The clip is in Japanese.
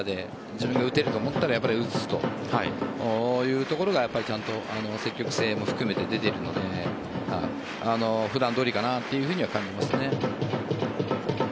自分が打てると思ったら打つというところが、ちゃんと積極性も含めて出ているので普段どおりかなと感じますね。